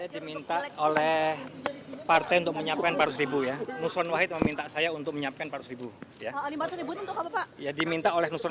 berarti hanya untuk pilak atau juga pilpres pak